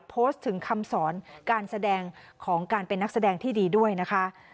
โพสต์ถึงคำสอนการแสดงของการเป็นนักแสดงที่ดีด้วยนะคะ